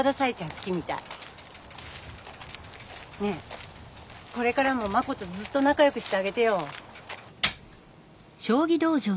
ねえこれからもマコとずっとなかよくしてあげてよ。